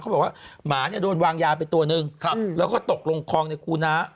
เขาบอกว่าหมาเนี่ยโดนวางยาไปตัวนึงแล้วก็ตกลงคลองในคูน้า